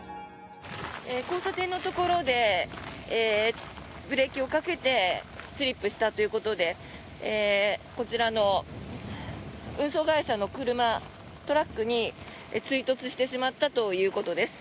交差点のところでブレーキをかけてスリップしたということでこちらの運送会社の車トラックに追突してしまったということです。